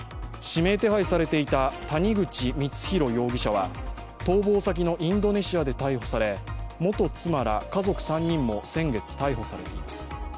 指名手配されていた谷口光弘容疑者は逃亡先のインドネシアで逮捕され、元妻ら家族３人も先月逮捕されています。